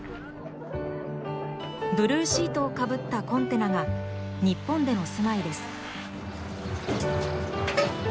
ブルーシートをかぶったコンテナが日本での住まいです。